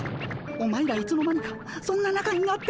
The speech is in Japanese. お前らいつの間にかそんななかになってたのか。